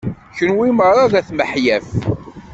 Kunwi meṛṛa d at miḥyaf.